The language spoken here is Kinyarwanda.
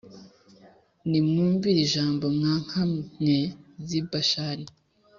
Nimwumve iri jambo, mwa nka mwe z’i Bashani,